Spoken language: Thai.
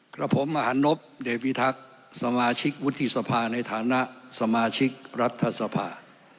กับผมมหันนบเดพิทักษ์สมาชิกวุฒิสภาในฐานะสมาชิกรัฐสภา